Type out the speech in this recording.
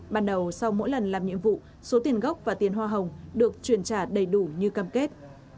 ban đầu sau mỗi lần làm nhiệm vụ số tiền gốc và tiền hoa hồng được chuyển trả đầy đủ như cam kết